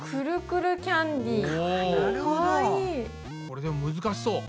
これでも難しそう。